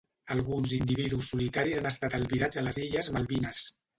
Alguns individus solitaris han estat albirats a les Illes Malvines.